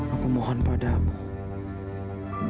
aku mohon padamu